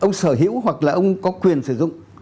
ông sở hữu hoặc là ông có quyền sử dụng